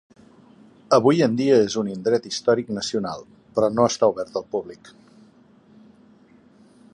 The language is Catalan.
Avui dia és un Indret Històric Nacional, però no està obert al públic.